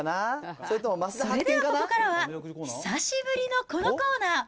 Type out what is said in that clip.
それではここからは、久しぶりのこのコーナー。